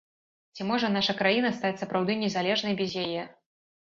Ці можа наша краіна стаць сапраўды незалежнай без яе?